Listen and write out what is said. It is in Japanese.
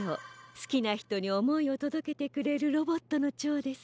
すきなひとにおもいをとどけてくれるロボットのチョウです。